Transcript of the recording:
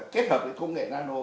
kết hợp với công nghệ nano